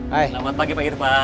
hai selamat pagi pak irfan